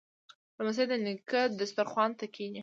لمسی د نیکه دسترخوان ته کیني.